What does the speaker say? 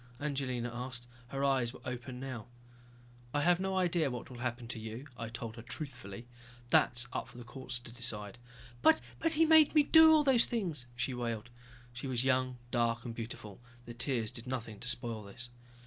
Angelina asked. Her eyes were open now. "I have no idea of what will happen to you," I told her truthfully. "That is up to the courts to decide." "But he made me do all those things," she wailed. She was young, dark and beautiful, the tears did nothing to spoil this.